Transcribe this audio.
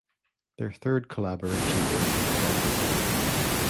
Their third collaboration is "Grand Opening".